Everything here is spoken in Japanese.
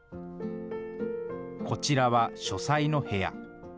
こちらは書斎の部屋。